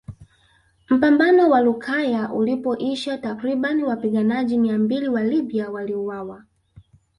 Mpambano wa Lukaya ulipoisha takriban wapiganajji mia mbili wa Libya waliuawa